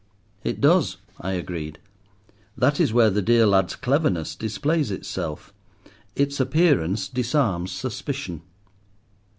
"It does," I agreed; "that is where the dear lad's cleverness displays itself. Its appearance disarms suspicion.